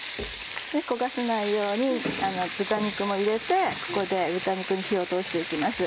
焦がさないように豚肉も入れてここで豚肉に火を通して行きます。